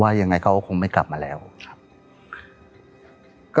ยังไงเขาคงไม่กลับมาแล้วครับ